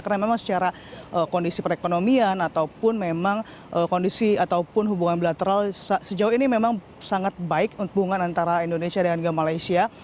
karena memang secara kondisi perekonomian ataupun hubungan bilateral sejauh ini memang sangat baik hubungan antara indonesia dan malaysia